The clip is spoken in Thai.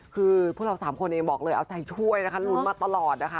คือพวกเราสามคนเองบอกเลยเอาใจช่วยนะคะลุ้นมาตลอดนะคะ